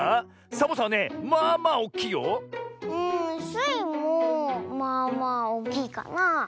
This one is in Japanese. スイもまあまあおおきいかな。